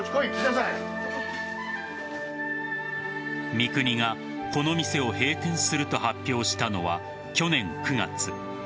三國がこの店を閉店すると発表したのは去年９月。